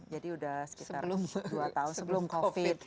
jadi udah sekitar dua tahun sebelum covid